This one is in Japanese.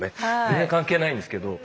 全然関係ないんですけど。